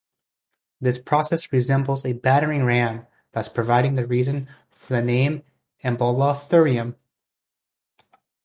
This process resembles a battering ram, thus providing the reason for the name "Embolotherium".